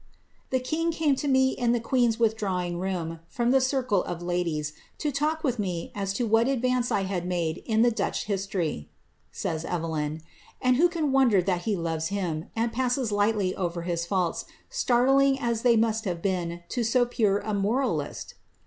'^The kins: came to me in the queen^s withdra wing room, from the circle of ludies, to talk with me as to what advance I had made in the Dutch his tory ,^^ says Evelyn ; and who can wonder that he loves him, and puMi lightly over his faults, startling as they must have been to so pore & moralist